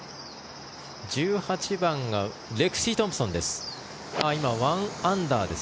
１８番がレクシー・トンプソンです。